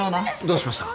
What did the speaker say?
どうしました？